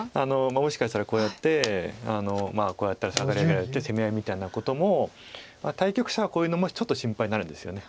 もしかしたらこうやってこうやったらサガられて攻め合いみたいなことも対局者はこういうのもちょっと心配なるんですよね。